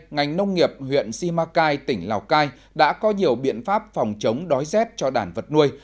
ngành nông nghiệp huyện simacai tỉnh lào cai đã có nhiều biện pháp phòng chống đói rét cho đàn vật nuôi